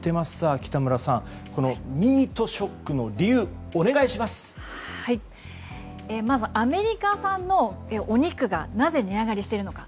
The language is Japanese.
北村さん、ミートショックのまずアメリカ産のお肉がなぜ値上がりしているのか。